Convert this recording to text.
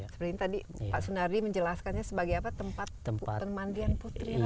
seperti tadi pak sunardi menjelaskannya sebagai tempat pemandian putri raja ya